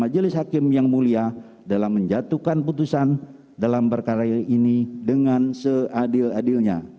majelis hakim yang mulia dalam menjatuhkan putusan dalam perkara ini dengan seadil adilnya